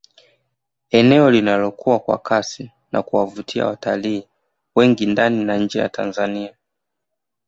Eneo linalokua kwa kasi na kuwavutia watalii wengi ndani na nje ya Tanzania